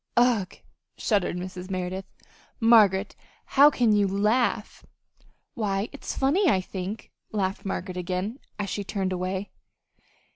'" "Ugh!" shuddered Mrs. Merideth. "Margaret, how can you laugh!" "Why, it's funny, I think," laughed Margaret again, as she turned away.